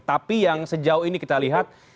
tapi yang sejauh ini kita lihat